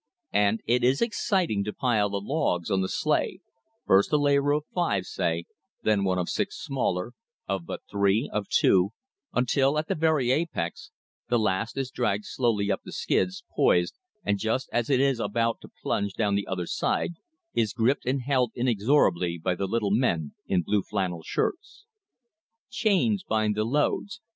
And it is exciting to pile the logs on the sleigh, first a layer of five, say; then one of six smaller; of but three; of two; until, at the very apex, the last is dragged slowly up the skids, poised, and, just as it is about to plunge down the other side, is gripped and held inexorably by the little men in blue flannel shirts. Chains bind the loads.